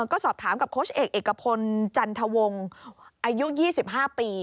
ก็สอบถามกับโค้ชเอกเอกพลจันทวงศ์อายุ๒๕ปี